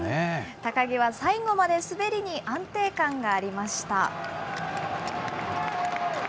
高木は最後まで滑りに安定感がありました。